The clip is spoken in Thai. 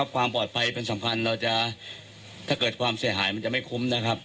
ความปลอดภัยเป็นสำคัญเราจะถ้าเกิดความเสียหายมันจะไม่คุ้มนะครับ